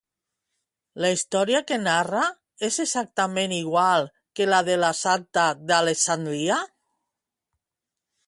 La història que narra és exactament igual que la de la santa d'Alexandria?